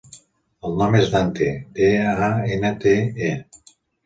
El nom és Dante: de, a, ena, te, e.